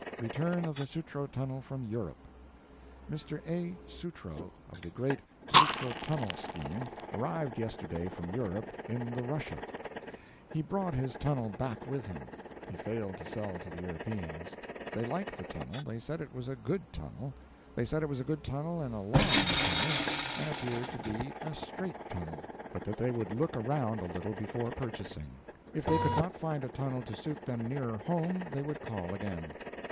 Return of the Sutro Tunnel from Europe. Mr. A. Sutro, of the great Sutro Tunnel scheme, arrived yesterday from Europe, in the Russia. He brought his tunnel back with him. He failed to sell to the Europeans. They liked the tunnel—they said it was a good tunnel!—they said it was a good tunnel and a long tunnel, and appeared to be a straight tunnel, but that they would look around a little before purchasing; if they could not find a tunnel to suit them nearer home, they would call again.